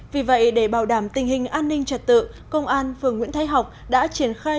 vì vậy để bảo đảm tình hình an ninh trật tự công an phường nguyễn thái học đã triển khai